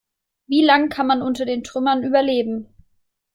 Wie lang kann man unter den Trümmern überleben?